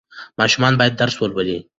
ماشومان باید درس ولولي.